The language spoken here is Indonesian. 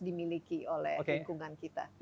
dimiliki oleh lingkungannya oke